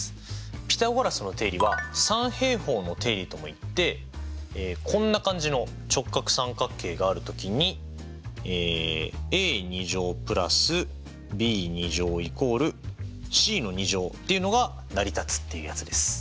ピタゴラスの定理は三平方の定理ともいってこんな感じの直角三角形がある時にっていうのが成り立つっていうやつです。